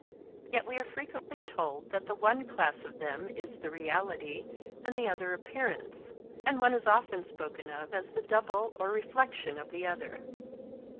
Yet we are frequently told that the one class of them is the reality and the other appearance; and one is often spoken of as the double or reflection of the other.